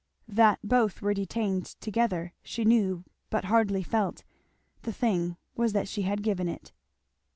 That both were detained together she knew but hardly felt; the thing was that she had given it!